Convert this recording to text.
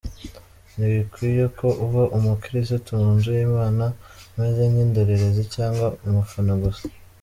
Ntibikwiye ko uba umukristo mu nzu y’Imana umeze nk’indorerezi cyangwa umufana gusa.